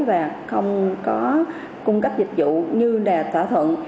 và không có cung cấp dịch vụ như đà tỏa thuận